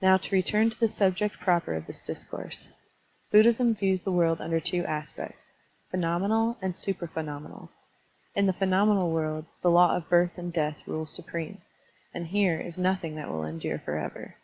Now to return to the subject proper of this discourse. Buddhism views the world under two aspects, phenomenal and supra phenomenal. In the phenomenal world, the law of birth and death rules supreme, and here is nothing that will endure forever.